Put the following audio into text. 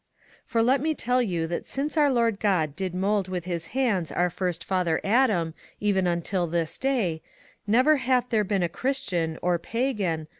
For let me tell you that since our Lord God did mould with his hands our first Father Adam, even until this day, never hath there been Christian, or Pagan, or VOL.